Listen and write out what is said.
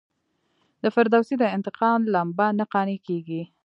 د فردوسي د انتقام لمبه نه قانع کیږي.